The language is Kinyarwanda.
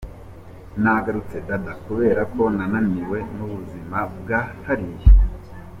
"Nagarutse Dadaab kuberako nananiwe n'ubuzima bwa hariya.